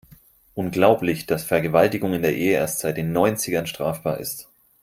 Unglaublich, dass Vergewaltigung in der Ehe erst seit den Neunzigern strafbar ist.